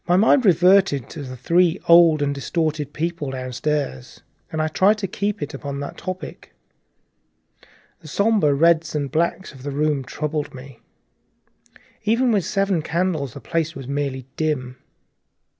My mind reverted to the three old and distorted people downstairs, and I tried to keep it upon that topic. The sombre reds and grays of the room troubled me; even with its seven candles the place was merely dim.